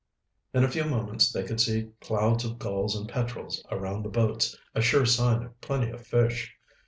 In a few moments they could see clouds of gulls and petrels around the boats, a sure sign of plenty of fish.